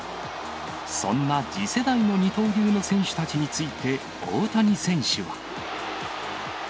そんな次世代の二刀流の選手たちについて、大谷選手は。